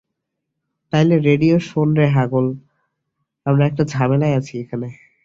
তাইলে রেডিও শোন রে হাগল, আমরা একটা ঝামেলায় আছি এখানে।